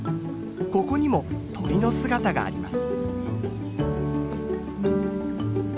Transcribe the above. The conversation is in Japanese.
ここにも鳥の姿があります。